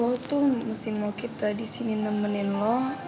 wah tuh mesti mau kita disini nemenin lo